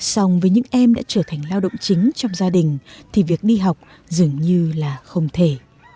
sòng với những em đã trở thành lao động chính trong gia đình thì việc đi học dường như là không thể